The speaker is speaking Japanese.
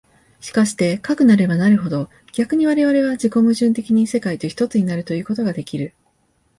しかしてかくなればなるほど、逆に我々は自己矛盾的に世界と一つになるということができる。